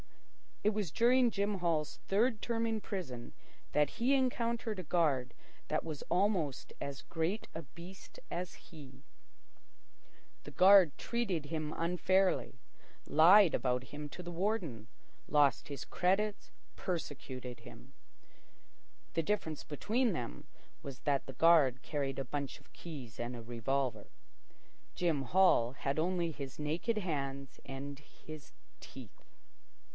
It was during Jim Hall's third term in prison that he encountered a guard that was almost as great a beast as he. The guard treated him unfairly, lied about him to the warden, lost his credits, persecuted him. The difference between them was that the guard carried a bunch of keys and a revolver. Jim Hall had only his naked hands and his teeth.